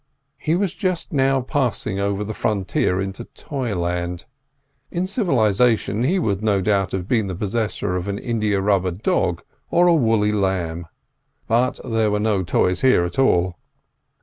He was just now passing over the frontier into toyland. In civilisation he would no doubt have been the possessor of an india rubber dog or a woolly lamb, but there were no toys here at all.